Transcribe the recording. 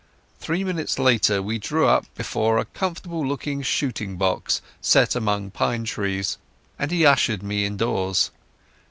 Three minutes later we drew up before a comfortable looking shooting box set among pine trees, and he ushered me indoors.